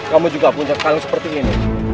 kamu juga punya kaleng seperti ini